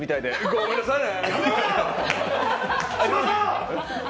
ごめんなさいね！！